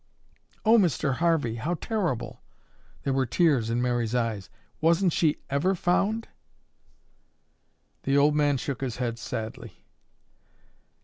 "Oh, Mr. Harvey, how terrible!" There were tears in Mary's eyes. "Wasn't she ever found?" The old man shook his head sadly.